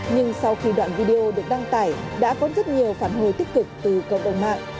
nhưng sau khi đoạn video được đăng tải đã có rất nhiều phản hồi tích cực từ cộng đồng mạng